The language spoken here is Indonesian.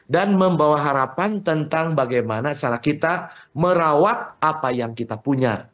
dan membawa harapan tentang bagaimana cara kita merawat apa yang kita punya